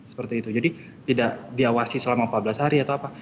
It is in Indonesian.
seperti itu jadi tidak diawasi selama empat belas hari atau apa